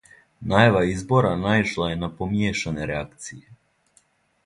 Најава избора наишла је на помијешане реакције.